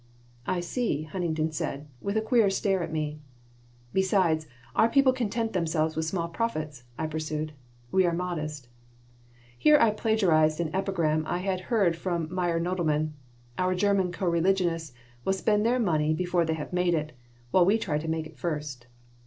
"I see," Huntington said, with a queer stare at me "Besides, our people content themselves with small profits," I pursued. "We are modest." Here I plagiarized an epigram I had heard from Meyer Nodelman: "Our German co religionists will spend their money before they have made it, while we try to make it first."